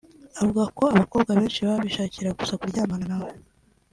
avuga ko abakobwa benshi baba bishakira gusa kuryamana nawe